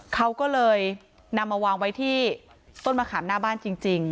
เขาก็เลยนำมาวางไว้ที่ต้นมะขามหน้าบ้านจริง